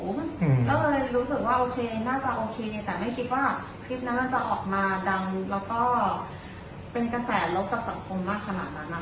ก็เลยรู้สึกว่าโอเคน่าจะโอเคแต่ไม่คิดว่าคลิปนั้นมันจะออกมาดังแล้วก็เป็นกระแสลบกับสังคมมากขนาดนั้น